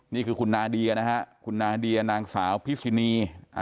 นี่คือคุณนาเดียนะฮะคุณนาเดียนางสาวพิษินี